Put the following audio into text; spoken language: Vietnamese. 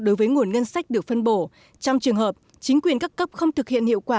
đối với nguồn ngân sách được phân bổ trong trường hợp chính quyền các cấp không thực hiện hiệu quả